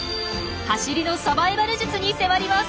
走りのサバイバル術に迫ります。